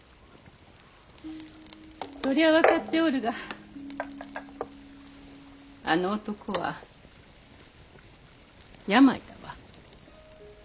そりゃ分かっておるがあの男は病だわ。